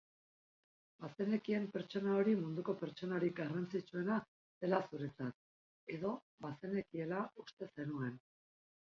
Bazenekien pertsona hori munduko pertsonarik garrantzitsuena zela zuretzat edo bazenekiela uste zenuen.